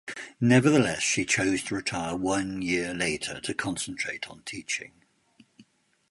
Nevertheless, she chose to retire one year later to concentrate on teaching.